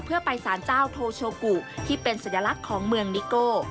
เพื่อไปสารเจ้าโทโชกุที่เป็นสัญลักษณ์ของเมืองนิโก